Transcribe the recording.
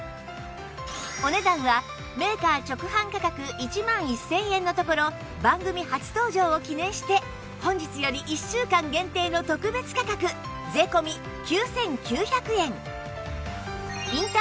お値段はメーカー直販価格１万１０００円のところ番組初登場を記念して本日より１週間限定の特別価格税込９９００円